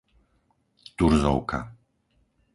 Turzovka